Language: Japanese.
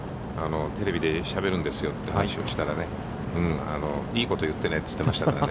テレビでしゃべるんですよって、話をしたら、いいこと言ってねって言ってましたから。